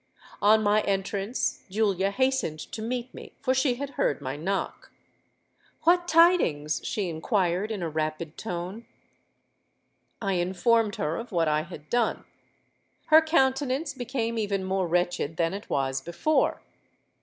On my entrance Julia hastened to meet me, for she had heard my knock. 'What tidings?' she inquired in a rapid tone.—I informed her of what I had done. Her countenance became even more wretched than it was before.